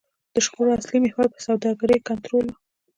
د شخړو اصلي محور پر سوداګرۍ کنټرول و.